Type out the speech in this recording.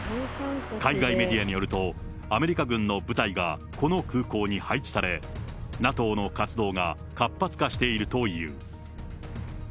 海外メディアによると、アメリカ軍の部隊がこの空港に配置され、ＮＡＴＯの活動が活発化しているという。